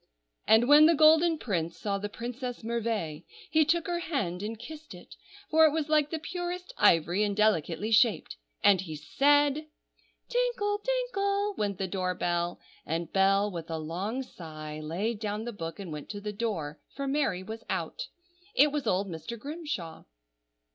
"And when the golden prince saw the Princess Merveille, he took her hand and kissed it, for it was like the purest ivory and delicately shaped. And he said—" Tinkle! tinkle! went the door bell, and Bell, with a long sigh, laid down the book and went to the door, for Mary was out. It was old Mr. Grimshaw.